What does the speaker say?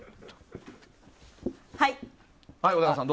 はい！